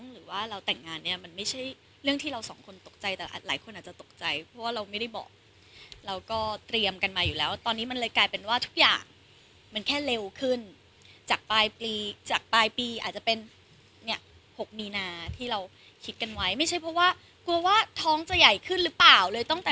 เราไม่ได้อายเลยว่าท้องเราจะใหญ่ขึ้น